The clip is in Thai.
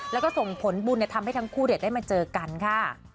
แล้วก็ส่งผลบุญทำให้ทั้งคู่ได้มาเจอกันค่ะ